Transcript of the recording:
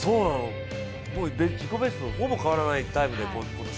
自己ベストとほぼ変わらないタイムで。